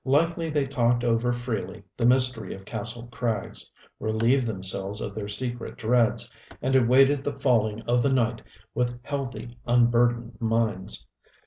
Likely they talked over freely the mystery of Kastle Krags, relieved themselves of their secret dreads, and awaited the falling of the night with healthy, unburdened minds.